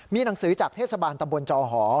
มีหนังสือจากเทศบาลตำบลจอหอ